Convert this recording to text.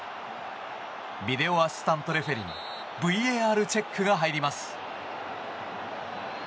ビデオアシスタントレフェリー・ＶＡＲチェックが入ります。